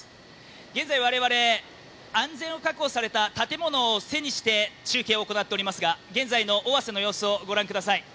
現在、我々、安全を確保された建物を背に中継を行っていますが現在の尾鷲の様子をご覧ください。